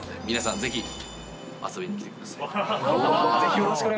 ぜひ遊びに来てください。